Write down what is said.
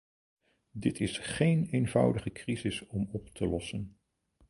Dit is geen eenvoudige crisis om op te lossen.